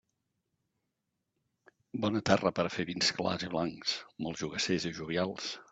Bona terra per a fer vins clars i blancs, molt jogassers i jovials.